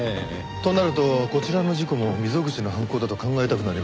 となるとこちらの事故も溝口の犯行だと考えたくなりますね。